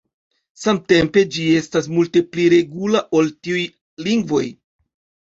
Samtempe ĝi estas multe pli regula ol tiuj lingvoj.